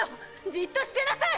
じっとしてなさい！